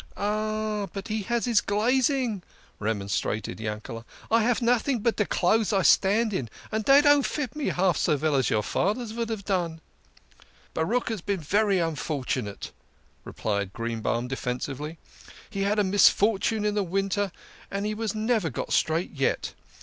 " But he has his glaziering," remonstrated Yankele. " I have noting but de clothes I stand in, and dey don't fit me half so veil as your fader's vould have done." " Baruch has been very unfortunate," replied Greenbaum THE KING OF SCHNORRERS. 76 defensively. " He had a misfortune in the winter, and he has never got straight yet.